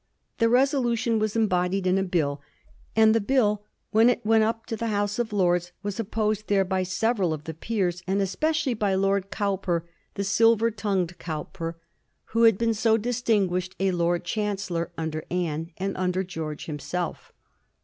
The resolution was embodied in a BiU, and the Bill, when it went up to the House of Lords, was opposed there by several of the peers, and especi ally by Lord Cowper, the * silver tongued Cowper,' who Digiti zed by Google 1723 LORD COWPER'S OPPOSITION. 285 had been so distinguished a Lord Chancellor under Anne, and under George himself.